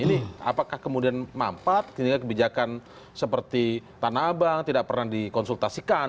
ini apakah kemudian mampat ketika kebijakan seperti tanah abang tidak pernah dikonsultasikan